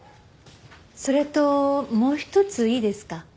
それともう一ついいですか？